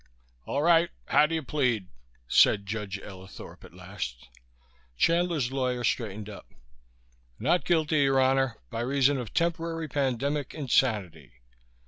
"All right, how do you plead," said Judge Ellithorp at last. Chandler's lawyer straightened up. "Not guilty, Your Honor, by reason of temporary pandemic insanity."